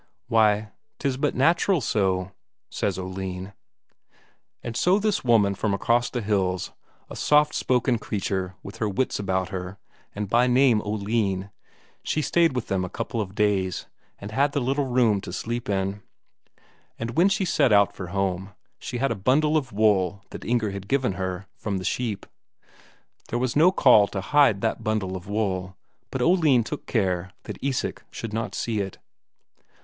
"Why, 'tis but natural so," says Oline. And so this woman from across the hills, a soft spoken creature with her wits about her, and by name Oline, she stayed with them a couple of days, and had the little room to sleep in. And, when she set out for home, she had a bundle of wool that Inger had given her, from the sheep. There was no call to hide that bundle of wool, but Oline took care that Isak should not see it.